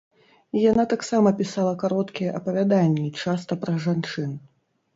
Яна таксама пісала кароткія апавяданні, часта пра жанчын.